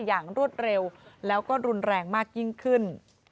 รวดเร็วแล้วก็รุนแรงมากยิ่งขึ้น